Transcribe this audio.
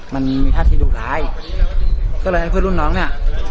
มันมีท่าที่ดุร้ายก็เลยให้เพื่อนรุ่นน้องเนี่ย